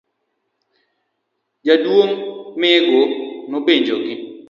jaduong' Mengo nopenjogi